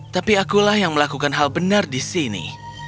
tapi akulah yang melakukan hal benar di sini